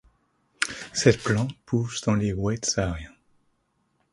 Cette plante pousse dans les oueds sahariens.